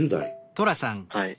はい。